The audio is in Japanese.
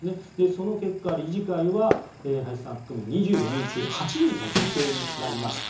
その結果、理事会は林さん含む２４人中８人女性になりました。